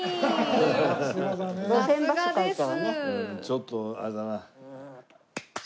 ちょっとあれだな。